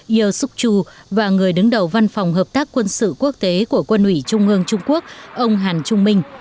yeo suk choo và người đứng đầu văn phòng hợp tác quân sự quốc tế của quân ủy trung ương trung quốc ông hàn trung minh